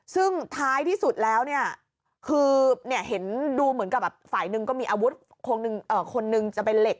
ซึ่งท้ายที่สุดแล้วเนี่ยคือเห็นดูเหมือนกับฝ่ายหนึ่งก็มีอาวุธคนนึงจะเป็นเหล็ก